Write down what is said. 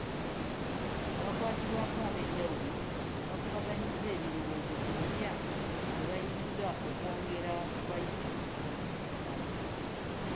Abakwatibwako ab'enjawulo bakubaganyizza ebirowoozo ku butya bwe bayinza okwongera ku bayizi abali ku sikaala.